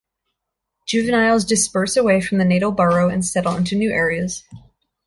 Juveniles disperse away from the natal burrow and settle into new areas.